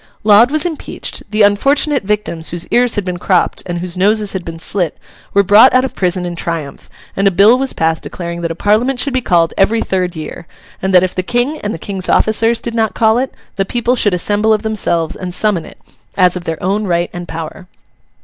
Laud was impeached; the unfortunate victims whose ears had been cropped and whose noses had been slit, were brought out of prison in triumph; and a bill was passed declaring that a Parliament should be called every third year, and that if the King and the King's officers did not call it, the people should assemble of themselves and summon it, as of their own right and power.